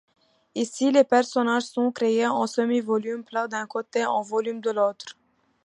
Ici les personnages sont créés en semi-volume, plats d'un côté, en volume de l'autre.